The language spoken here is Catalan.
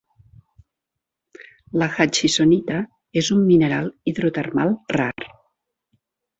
La hutchinsonita és un mineral hidrotermal rar.